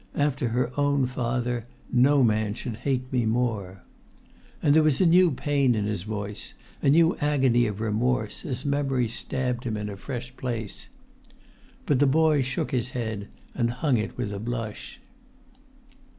After her own father, no man should hate me more!" And there was a new pain in his voice, a new agony of remorse, as memory stabbed him in a fresh place. But the boy shook his head, and hung it with a blush.